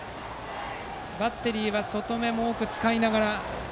バッテリーは外めも多く使いながら。